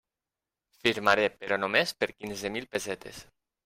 Firmaré, però només per quinze mil pessetes.